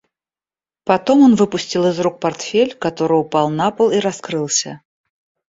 Потом он выпустил из рук портфель, который упал на пол и раскрылся.